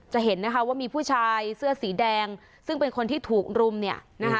จะเห็นนะคะว่ามีผู้ชายเสื้อสีแดงซึ่งเป็นคนที่ถูกรุมเนี่ยนะคะ